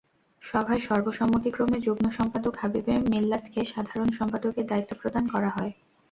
সভায় সর্বসম্মতিক্রমে যুগ্ম সম্পাদক হাবিবে মিল্লাতকে সাধারণ সম্পাদকের দায়িত্ব প্রদান করা হয়।